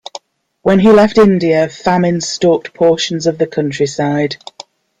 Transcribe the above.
When he left India, famine stalked portions of the countryside.